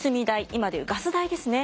今で言うガス代ですね